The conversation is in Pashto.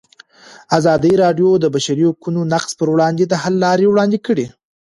ازادي راډیو د د بشري حقونو نقض پر وړاندې د حل لارې وړاندې کړي.